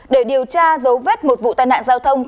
để điều tra dấu vết một vụ tai nạn giao thông